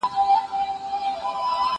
زه هره ورځ مېوې راټولوم